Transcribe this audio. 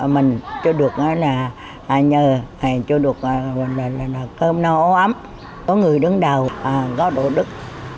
mình cho được cơm nấu ấm có người đứng đầu có độ đức